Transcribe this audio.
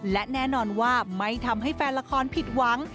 และแน่นอนว่าไม่ทำให้แฟนละครผิดหวัง